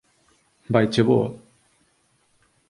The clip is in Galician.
Vaiche boa!